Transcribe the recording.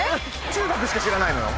中学しか知らないのよ。